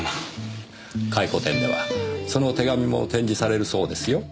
回顧展ではその手紙も展示されるそうですよ。